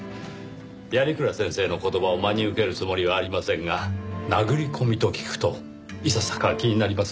鑓鞍先生の言葉を真に受けるつもりはありませんが殴り込みと聞くといささか気になりますねぇ。